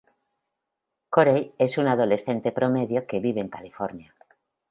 Corey es un adolescente promedio que vive en California.